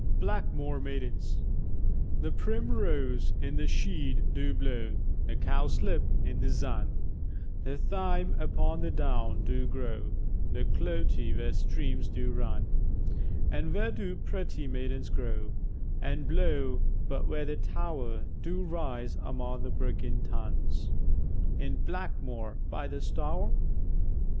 BLACKMWORE MAIDENS The primrwose in the sheäde do blow, The cowslip in the zun, The thyme upon the down do grow, The clote where streams do run; An' where do pretty maidens grow An' blow, but where the tow'r Do rise among the bricken tuns, In Blackmwore by the Stour?